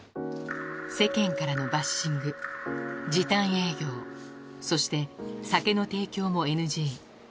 世間からのバッシング、時短営業、そして酒の提供もＮＧ。